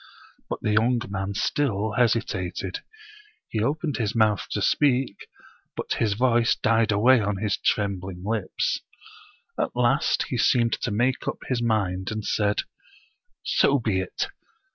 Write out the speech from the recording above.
But the young man still hesitated. He opened his mouth to speak, but his voice died away on his trembling lips. At last he seemed to make up his mind, and said: "So be it!